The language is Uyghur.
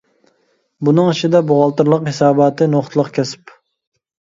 بۇنىڭ ئىچىدە بوغالتىرلىق ھېساباتى نۇقتىلىق كەسىپ.